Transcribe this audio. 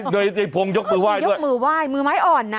เนติพงยกมือไหว้ด้วยยกมือไหว้มือไม้อ่อนน่ะ